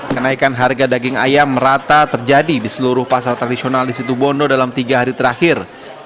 kenaikan harga daging ayam merata terjadi di seluruh pasar tradisional di situ bondo dalam tiga hari terakhir